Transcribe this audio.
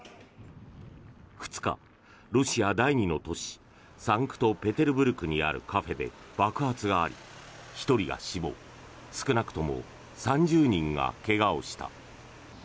２日、ロシア第２の都市サンクトペテルブルクにあるカフェで爆発があり１人が死亡少なくとも３０人が怪我をした。